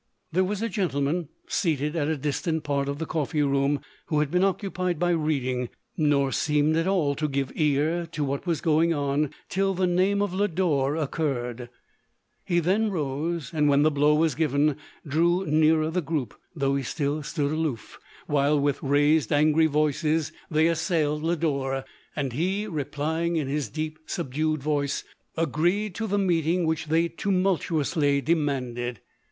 There was a gentleman, seated at a distant part of the coffee room, who had been occupied by reading ; nor seemed at all to give ear to what was going on, till the name of Lodore occurred : lie then rose, and when the blow was given, drew nearer the group ; though he still stood aloof, while, with raised and angry voices, they LODORE. C 2G1 assailed Lodore, and lie, replying in his deep, subdued voice, agreed to the meeting which they tmnultuously demanded.